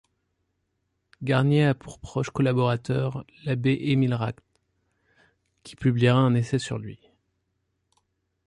Garnier a pour proche collaborateur l'abbé Émile Ract, qui publiera un essai sur lui.